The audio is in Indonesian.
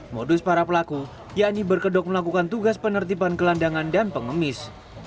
modus para pelaku yakni berkedok melakukan tugas penertiban gelandangan dan pengemis